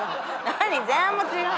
何前半も違う？